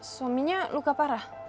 suaminya luka parah